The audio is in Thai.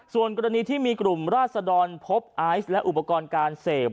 ส่วนกรณีที่มีกลุ่มราศดรพบไอซ์และอุปกรณ์การเสพ